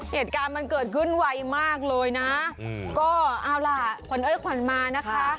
เหตุการณ์มันเกิดขึ้นไวมากเลยนะก็เอาล่ะขวัญเอ้ยขวัญมานะคะ